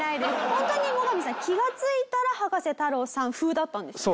ホントにモガミさん気がついたら葉加瀬太郎さん風だったんですか？